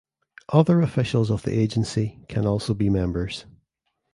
Other officials of the agency can also be members.